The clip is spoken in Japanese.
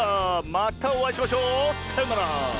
またおあいしましょう。さようなら。